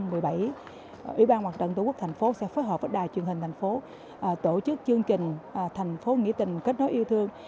ủy ban hoạt động tổ quốc thành phố sẽ phối hợp với đài truyền hình thành phố tổ chức chương trình thành phố nghỉ tình kết nối yêu thương